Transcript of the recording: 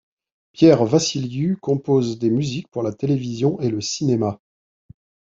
Pierre Vassiliu compose des musiques pour la télévision et le cinéma.